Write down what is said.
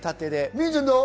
望結ちゃん、どう？